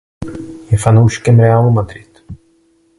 Je fanouškem Realu Madrid.